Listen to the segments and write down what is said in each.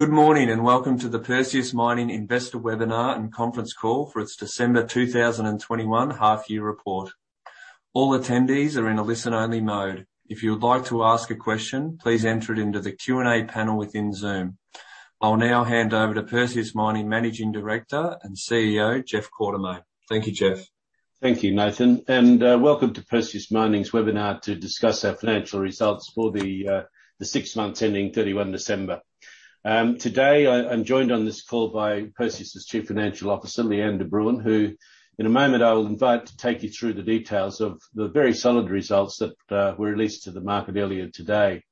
Good morning, and welcome to the Perseus Mining investor webinar and conference call for its December 2021 half year report. All attendees are in a listen only mode. If you would like to ask a question, please enter it into the Q&A panel within Zoom. I'll now hand over to Perseus Mining Managing Director and CEO, Jeff Quartermaine. Thank you, Geoff. Thank you, Nathan, and welcome to Perseus Mining's webinar to discuss our financial results for the six months ending 31 December. Today I'm joined on this call by Perseus's Chief Financial Officer, Lee-Anne de Bruin, who in a moment I will invite to take you through the details of the very solid results that were released to the market earlier today.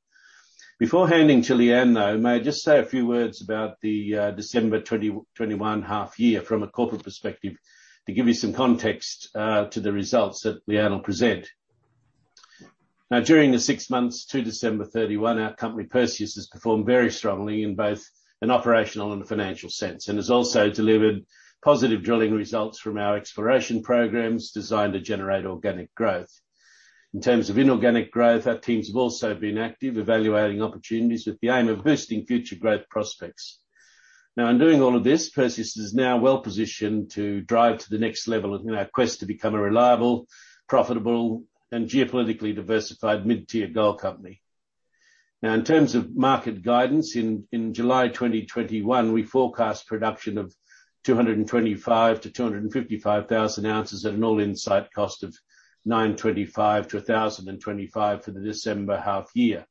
Before handing to Lee-Anne, though, may I just say a few words about the December 2021 half year from a corporate perspective to give you some context to the results that Lee-Anne will present. Now, during the six months to December 31, our company, Perseus, has performed very strongly in both an operational and financial sense, and has also delivered positive drilling results from our exploration programs designed to generate organic growth. In terms of inorganic growth, our teams have also been active evaluating opportunities with the aim of boosting future growth prospects. Now, in doing all of this, Perseus is now well-positioned to drive to the next level in our quest to become a reliable, profitable and geopolitically diversified mid-tier gold company. Now in terms of market guidance, in July 2021, we forecast production of 225,000-255,000 ounces at an all-in site cost of $925-$1,025 for the December half year.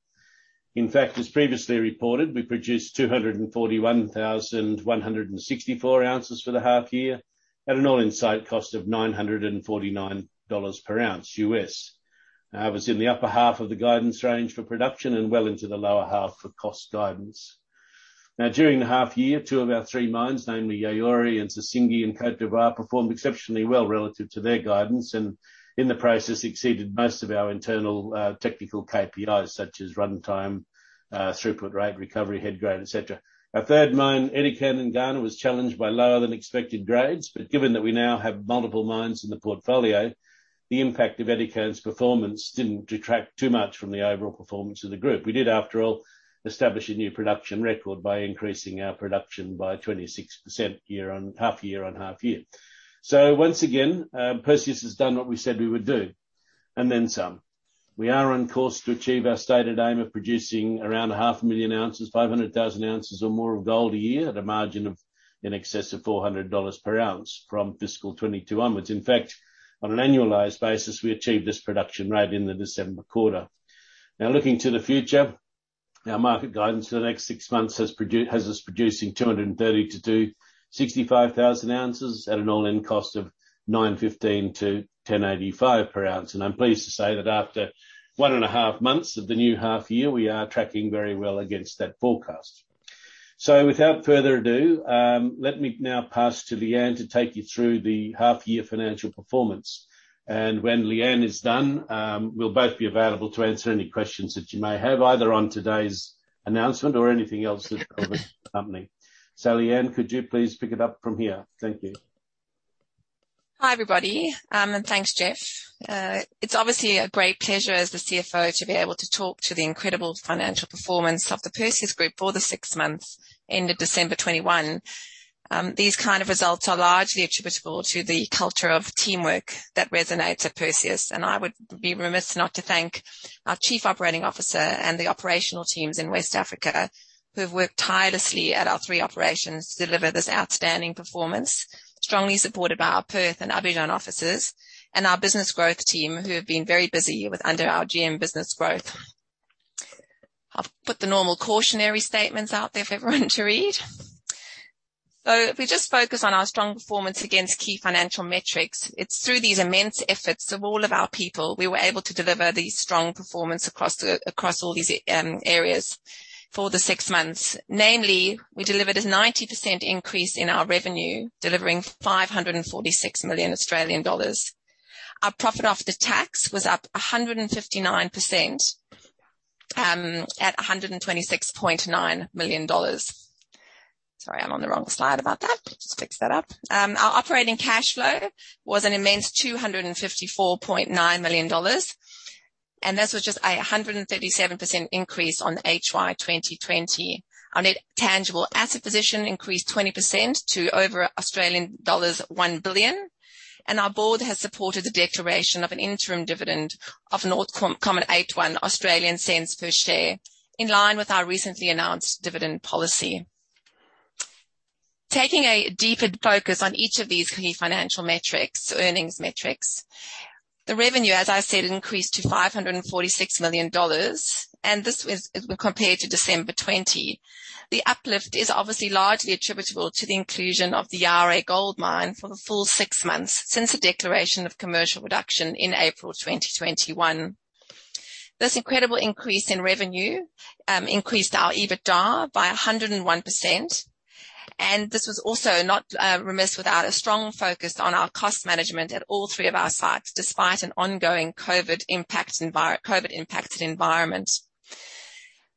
In fact, as previously reported, we produced 241,164 ounces for the half year at an all-in site cost of $949 per ounce US. Now that was in the upper half of the guidance range for production and well into the lower half for cost guidance. Now during the half year, two of our three mines, namely Yaouré and Sissingué in Côte d'Ivoire, performed exceptionally well relative to their guidance and in the process exceeded most of our internal, technical KPIs such as runtime, throughput rate, recovery, head grade, etc. Our third mine, Edikan in Ghana, was challenged by lower than expected grades, but given that we now have multiple mines in the portfolio, the impact of Edikan's performance didn't detract too much from the overall performance of the group. We did, after all, establish a new production record by increasing our production by 26% half year on half year. Once again, Perseus has done what we said we would do, and then some. We are on course to achieve our stated aim of producing around 500,000 ounces, 500,000 ounces or more of gold a year at a margin of in excess of $400 per ounce from FY 2022 onwards. In fact, on an annualized basis, we achieved this production rate in the December quarter. Now looking to the future, our market guidance for the next six months has us producing 230,000-265,000 ounces at an all-in cost of $915-$1,085 per ounce. I'm pleased to say that after one and a half months of the new half year, we are tracking very well against that forecast. Without further ado, let me now pass to Lee-Anne to take you through the half year financial performance. When Lee-Anne is done, we'll both be available to answer any questions that you may have either on today's announcement or anything else about the company. Lee-Anne, could you please pick it up from here? Thank you. Hi, everybody, thanks, Jeff. It's obviously a great pleasure as the CFO to be able to talk to the incredible financial performance of the Perseus group for the six months ended December 2021. These kind of results are largely attributable to the culture of teamwork that resonates at Perseus, and I would be remiss not to thank our Chief Operating Officer and the operational teams in West Africa who have worked tirelessly at our three operations to deliver this outstanding performance, strongly supported by our Perth and Abidjan offices and our business growth team who have been very busy under our GM Business Growth. I've put the normal cautionary statements out there for everyone to read. If we just focus on our strong performance against key financial metrics, it's through these immense efforts of all of our people, we were able to deliver the strong performance across all these areas for the six months. Namely, we delivered a 90% increase in our revenue, delivering 546 million Australian dollars. Our profit after tax was up 159% at 126.9 million dollars. Sorry, I'm on the wrong slide about that. Just fix that up. Our operating cash flow was an immense 254.9 million dollars, and this was just a 137% increase on the H1 2020. Our net tangible asset position increased 20% to over Australian dollars one billion. Our board has supported the declaration of an interim dividend of 0.081 per share, in line with our recently announced dividend policy. Taking a deeper focus on each of these key financial metrics, earnings metrics. The revenue, as I said, increased to $546 million, and this was compared to December 2020. The uplift is obviously largely attributable to the inclusion of the Yaouré Gold Mine for the full six months since the declaration of commercial production in April 2021. This incredible increase in revenue increased our EBITDA by 101%, and this was also not without a strong focus on our cost management at all three of our sites, despite an ongoing COVID-impacted environment.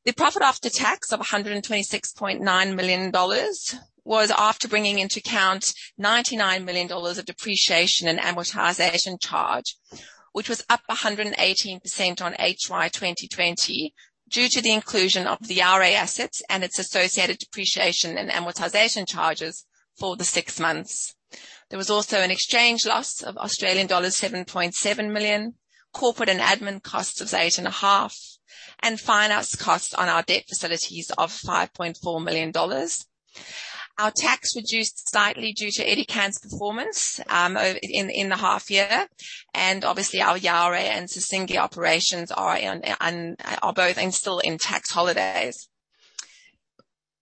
The profit after tax of 126.9 million dollars was after bringing into account 99 million dollars of depreciation and amortization charge, which was up 118% on FY 2020 due to the inclusion of the Yaouré assets and its associated depreciation and amortization charges for the six months. There was also an exchange loss of Australian dollars 7.7 million, corporate and admin costs of 8.5 million, and finance costs on our debt facilities of 5.4 million dollars. Our tax reduced slightly due to Edikan's performance in the half year, and obviously our Yaouré and Sissingué operations are both still in tax holidays.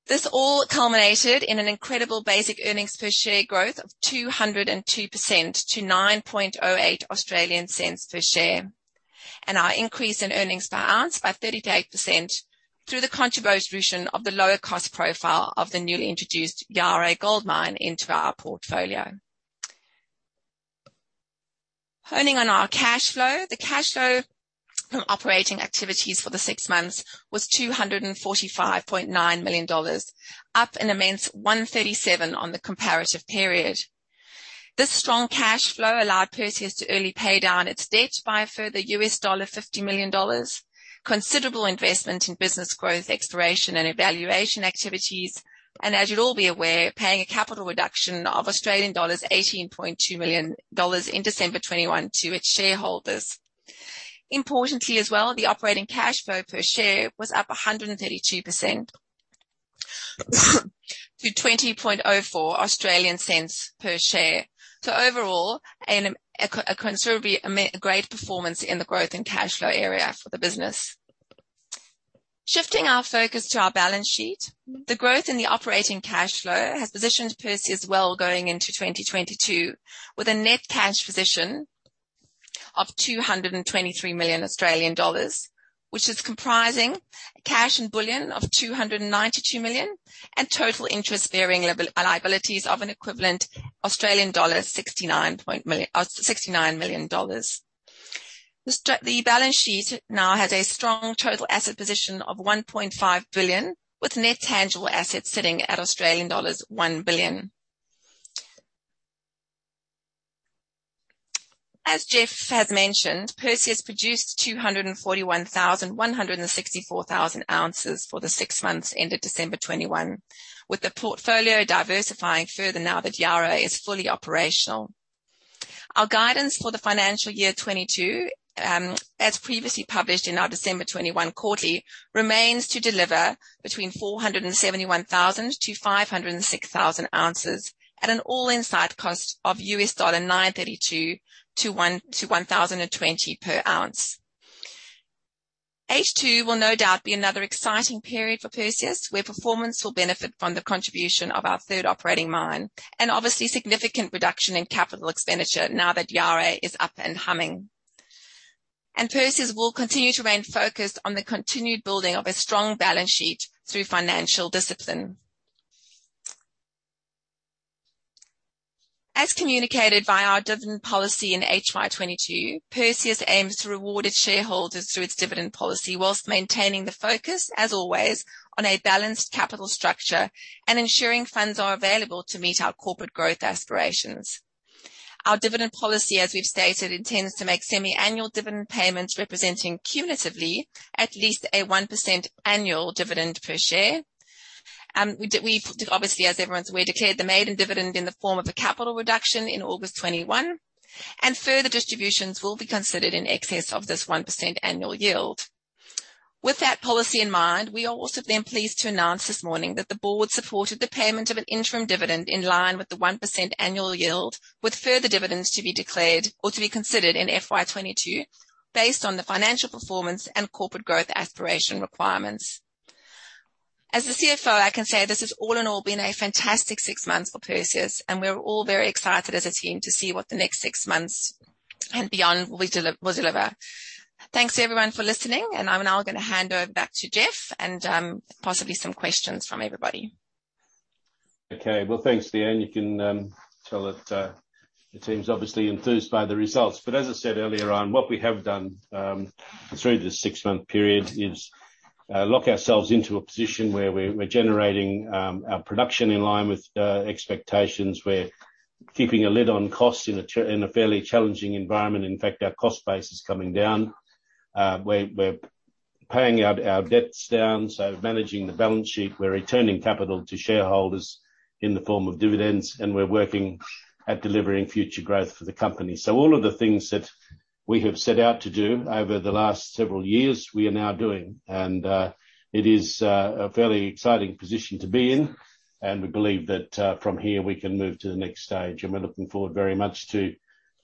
This all culminated in an incredible basic earnings per share growth of 202% to AUD 0.0908 per share. Our increase in earnings per ounce by 38% through the contribution of the lower cost profile of the newly introduced Yaouré Gold Mine into our portfolio. Turning to our cash flow. The cash flow from operating activities for the six months was 245.9 million dollars, up an immense 137 on the comparative period. This strong cash flow allowed Perseus to early pay down its debt by a further $50 million, considerable investment in business growth, exploration and evaluation activities. As you'd all be aware, paying a capital reduction of Australian dollars 18.2 million in December 2021 to its shareholders. Importantly as well, the operating cash flow per share was up 132% to 0.2004 AUD per share. Overall, a considerably great performance in the growth and cash flow area for the business. Shifting our focus to our balance sheet, the growth in the operating cash flow has positioned Perseus well going into 2022, with a net cash position of 223 million Australian dollars, which is comprising cash and bullion of 292 million and total interest-bearing liabilities of an equivalent Australian dollar 69 million. The balance sheet now has a strong total asset position of 1.5 billion, with net tangible assets sitting at Australian dollars one billion. Jeff has mentioned, Perseus produced 241,164 ounces for the six months ended December 2021, with the portfolio diversifying further now that Yaouré is fully operational. Our guidance for the financial year 2022, as previously published in our December 2021 quarterly, remains to deliver between 471,000-506,000 ounces at an all-in site cost of $932-$1,020 per ounce. H2 will no doubt be another exciting period for Perseus, where performance will benefit from the contribution of our third operating mine and obviously significant reduction in capital expenditure now that Yaouré is up and humming. Perseus will continue to remain focused on the continued building of a strong balance sheet through financial discipline. As communicated via our dividend policy in FY 2022, Perseus aims to reward its shareholders through its dividend policy while maintaining the focus, as always, on a balanced capital structure and ensuring funds are available to meet our corporate growth aspirations. Our dividend policy, as we've stated, intends to make semi-annual dividend payments representing cumulatively at least a 1% annual dividend per share. We obviously, as everyone's aware, declared the maiden dividend in the form of a capital reduction in August 2021, and further distributions will be considered in excess of this 1% annual yield. With that policy in mind, we are also then pleased to announce this morning that the board supported the payment of an interim dividend in line with the 1% annual yield, with further dividends to be declared or to be considered in FY 2022 based on the financial performance and corporate growth aspiration requirements. As the CFO, I can say this has all in all been a fantastic six months for Perseus, and we're all very excited as a team to see what the next six months and beyond will deliver. Thanks everyone for listening, and I'm now gonna hand over back to Geoff and possibly some questions from everybody. Okay. Well, thanks, Lee-Anne. You can tell that the team's obviously enthused by the results. As I said earlier on, what we have done through this six-month period is lock ourselves into a position where we're generating our production in line with expectations. We're keeping a lid on costs in a fairly challenging environment. In fact, our cost base is coming down. We're paying our debts down, so managing the balance sheet. We're returning capital to shareholders in the form of dividends, and we're working at delivering future growth for the company. All of the things that we have set out to do over the last several years, we are now doing. It is a fairly exciting position to be in, and we believe that from here we can move to the next stage. We're looking forward very much to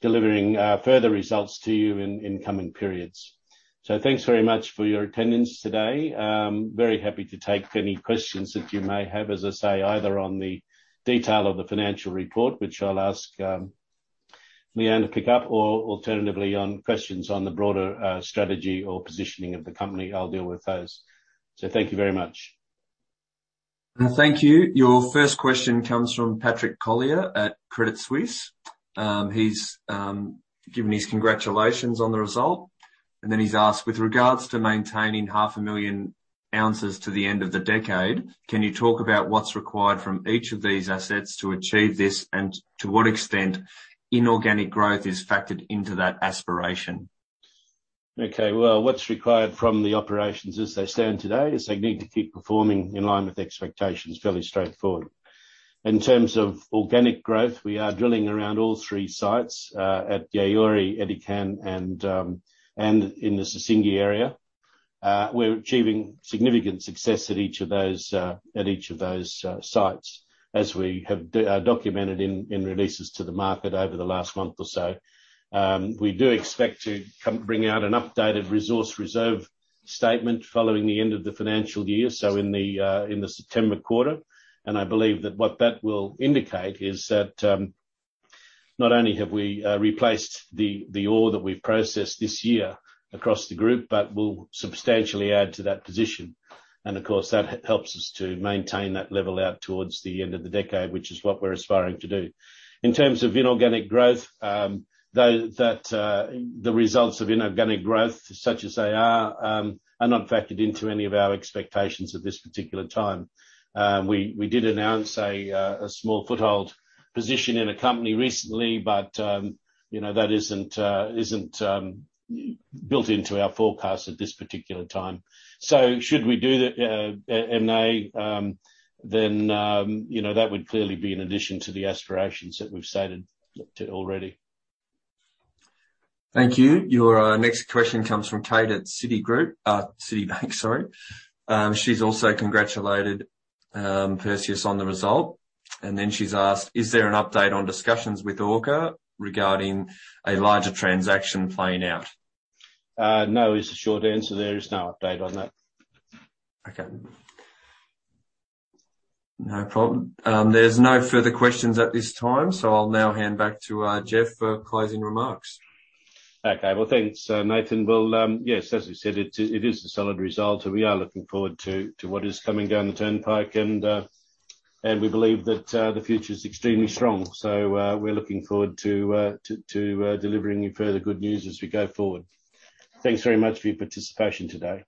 delivering further results to you in coming periods. Thanks very much for your attendance today. Very happy to take any questions that you may have, as I say, either on the detail of the financial report, which I'll ask Lee-Anne to pick up or alternatively on questions on the broader strategy or positioning of the company, I'll deal with those. Thank you very much. Thank you. Your first question comes from Patrick Collier at Credit Suisse. He's giving his congratulations on the result, and then he's asked, with regards to maintaining half a million ounces to the end of the decade, can you talk about what's required from each of these assets to achieve this, and to what extent inorganic growth is factored into that aspiration? Okay. Well, what's required from the operations as they stand today is they need to keep performing in line with expectations. Fairly straightforward. In terms of organic growth, we are drilling around all three sites at Yaouré, Edikan and in the Sissingué area. We're achieving significant success at each of those sites as we have documented in releases to the market over the last month or so. We do expect to bring out an updated resource reserve statement following the end of the financial year, so in the September quarter. I believe that what that will indicate is that not only have we replaced the ore that we've processed this year across the group, but we'll substantially add to that position. Of course, that helps us to maintain that level out towards the end of the decade, which is what we're aspiring to do. In terms of inorganic growth, though, that the results of inorganic growth, such as they are not factored into any of our expectations at this particular time. We did announce a small foothold position in a company recently, but, you know, that isn't built into our forecast at this particular time. Should we do that M&A, then, you know, that would clearly be an addition to the aspirations that we've stated already. Thank you. Your next question comes from Kate at Citigroup. Citibank, sorry. She's also congratulated Perseus on the result, and then she's asked: Is there an update on discussions with Orca regarding a larger transaction playing out? No, is the short answer. There is no update on that. Okay. No problem. There's no further questions at this time, so I'll now hand back to Jeff for closing remarks. Okay. Well, thanks, Nathan. Well, yes, as you said, it is a solid result and we are looking forward to what is coming down the turnpike and we believe that the future is extremely strong. We're looking forward to delivering you further good news as we go forward. Thanks very much for your participation today.